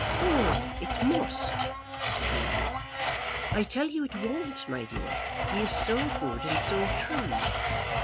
"Oh, it must," said Mary. "I tell you it won't, my dear; he is so good and so true."